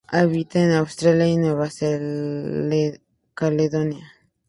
Habita en Australia y Nueva Caledonia.